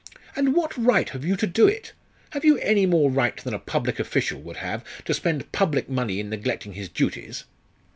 "And what right have you to do it? Have you any more right than a public official would have to spend public money in neglecting his duties?"